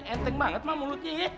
enteng banget emak mulutnya